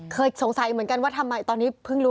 สงสัยเหมือนกันว่าทำไมตอนนี้เพิ่งรู้